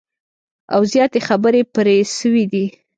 او زیاتي خبري پر سوي دي